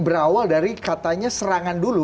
berawal dari katanya serangan dulu